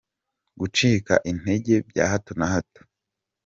Gucika intege bya hato na hato.